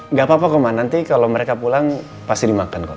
nggak papa kok ma nanti kalau mereka pulang pasti dimakan kok